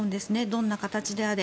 どんな形であれ。